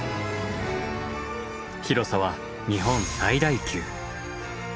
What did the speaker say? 広さは日本最大級。